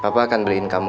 papa akan beliin kamu